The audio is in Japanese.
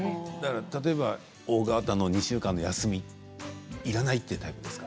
例えば２週間の休みいらないというタイプですか？